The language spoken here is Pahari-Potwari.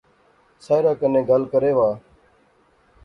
ساحرہ کنے گل کرے وہا